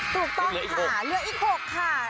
ถูกต้องค่ะเหลืออีก๖ค่ะ